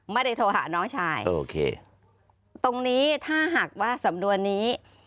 ไม่ได้โทรหาน้องชายโอเคตรงนี้ถ้าหากว่าสำนวนนี้